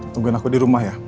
tungguin aku di rumah ya